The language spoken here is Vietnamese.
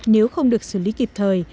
nếu không được xử lý kịp thời